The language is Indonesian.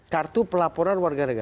kartu pelaporan warga negara